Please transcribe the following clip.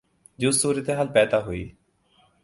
جو صورتحال پیدا ہوئی